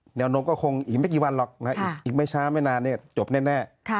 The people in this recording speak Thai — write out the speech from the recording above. เหนียวนก็คงอีกไม่สักกี่วันหรอกอีกไม่ช้าทีนี้จบแน่